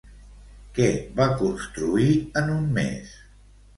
Què va construir en un mes?